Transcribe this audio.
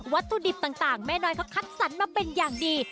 วัตถุดิบต่างแม่น้อยเขาคัดสรรมาเป็นอย่างดี